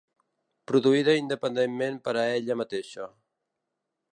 Produïda independentment per a ella mateixa.